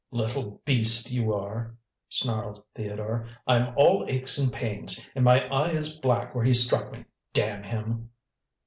"Little beast, you are," snarled Theodore. "I'm all aches and pains, and my eye is black where he struck me, damn him!"